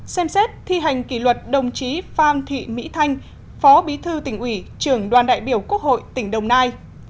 ba xem xét thi hành kỷ luật đồng chí phan thị mỹ thanh phó bí thư tỉnh ủy trưởng đoàn đại biểu quốc hội tỉnh đồng nai